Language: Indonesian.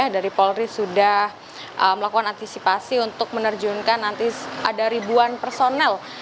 dari polri sudah melakukan antisipasi untuk menerjunkan nanti ada ribuan personel